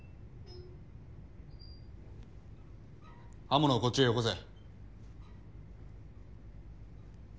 刃物をこっちへよこせ。